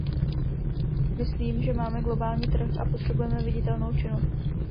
Myslím, že máme globální trh a potřebujeme viditelnou činnost.